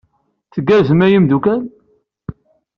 Tgerrzem a imeddukal?